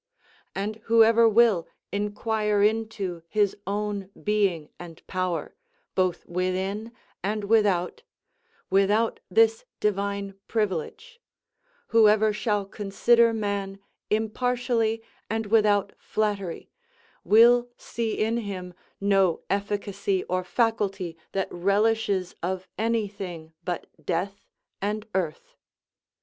And whoever will inquire into his own being and power, both within and without, without this divine privilege; whoever shall consider man impartially, and without flattery, will see in him no efficacy or faculty that relishes of any thing but death and earth.